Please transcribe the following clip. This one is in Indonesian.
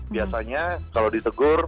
biasanya kalau ditegur